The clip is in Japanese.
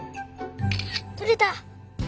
とれた！